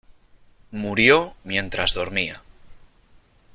Murió mientras dormía.